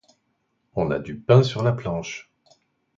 On a du pain sur la planche